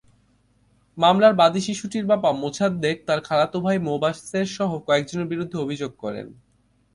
মামলার বাদী শিশুটির বাবা মোছাদ্দেক তাঁর খালাতো ভাই মোবাশ্বেরসহ কয়েকজনের বিরুদ্ধে অভিযোগ করেন।